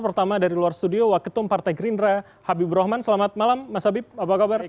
pertama dari luar studio waketum partai gerindra habibur rahman selamat malam mas habib apa kabar